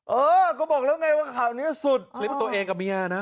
เออก็บอกแล้วไงว่าข่าวนี้สุดคลิปตัวเองกับเมียนะ